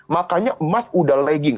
makanya emas udah lagging